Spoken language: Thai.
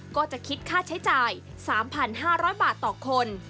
ก็จะคิดค่าใช้จ่าย๓๕๐๐บาทต่อคน